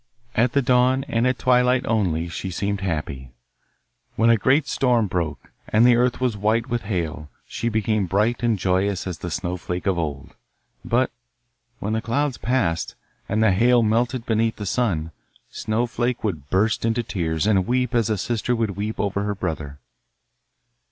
At the dawn and at twilight only she seemed happy. When a great storm broke, and the earth was white with hail, she became bright and joyous as the Snowflake of old; but when the clouds passed, and the hail melted beneath the sun, Snowflake would burst into tears and weep as a sister would weep over her brother.